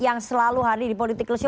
yang selalu hadir di politik lesio